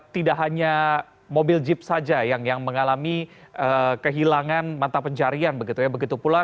tidak hanya mobil jeep saja yang mengalami kehilangan mata pencarian begitu ya begitu pula